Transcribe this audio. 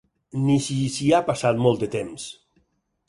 Ni si s'hi ha passat molt de temps.